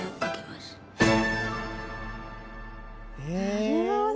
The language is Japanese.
なるほど！